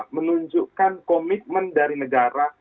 menunjukkan komitmen dari negara